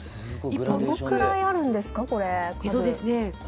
どのくらいあるんですか？